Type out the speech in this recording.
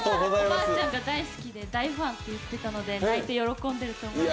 おばあちゃんが大好きで大ファンと言ってたので泣いて喜んでいると思います。